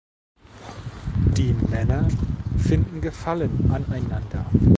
Die Männer finden Gefallen aneinander.